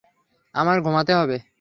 আমার ঘুমাতে হবে।